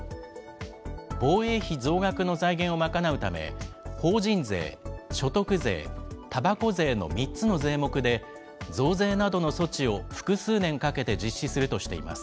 防衛費増額の財源を賄うため、法人税、所得税、たばこ税の３つの税目で、増税などの措置を複数年かけて実施するとしています。